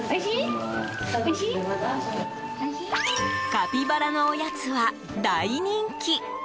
カピバラのおやつは大人気。